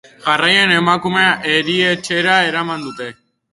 Jarraian, emakumea erietxera eraman dute.